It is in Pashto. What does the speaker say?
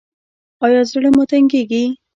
ایا زړه مو تنګیږي؟